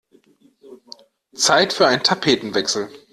Zeit für einen Tapetenwechsel!